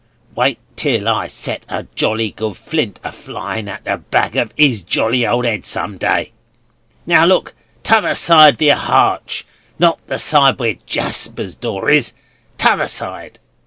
Wait till I set a jolly good flint a flyin' at the back o' 'is jolly old 'ed some day! Now look t'other side the harch; not the side where Jarsper's door is; t'other side."